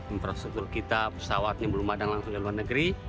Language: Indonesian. infrastruktur kita pesawatnya belum ada langsung dari luar negeri